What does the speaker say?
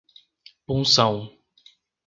Punção